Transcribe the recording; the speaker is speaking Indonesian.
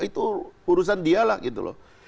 itu urusan dialah gitu loh